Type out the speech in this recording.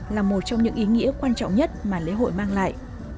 là một trong những ý nghĩa quan trọng nhất mà lễ hội mang lại